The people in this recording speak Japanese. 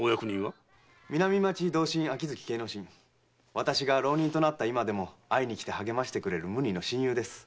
私が浪人となった今でも会いに来て励ましてくれる無二の親友です。